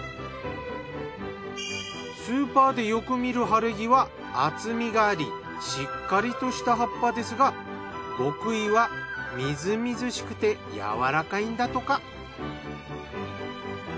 スーパーでよく見る晴黄は厚みがありしっかりとした葉っぱですが極意はみずみずしくて柔らかいんだとか。